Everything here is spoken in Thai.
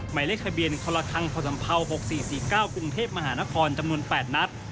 หมายเลขทะเบียนคคพภ๖๔๔๙กรุงเทพฯมคจำนวน๘นัด